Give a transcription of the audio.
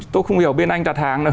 tôi không hiểu bên anh đặt hàng